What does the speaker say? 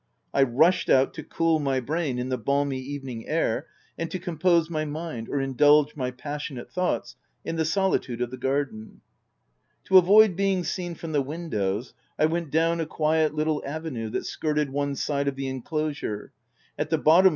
I rushed out to cool my brain in the balmy even ing air, and to compose my mind, or indulge my passionate thoughts in the solitude of the garden. To avoid being seen from the windows, I went down a quiet, little avenue, that skirted one side of the inclosure, at the bottom of OF WILDFELL HALL.